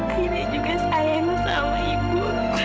akhirnya juga sayang sama ibu